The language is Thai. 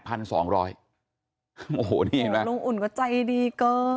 โอ้โหนี่เห็นไหมลุงอุ่นก็ใจดีเกิน